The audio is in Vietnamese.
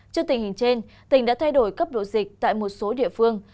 trước tình hình trên tỉnh đã thay đổi cấp độ dịch tại một số địa phương